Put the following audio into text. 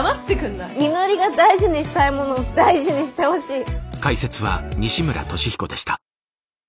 みのりが大事にしたいもの大事にしてほしい。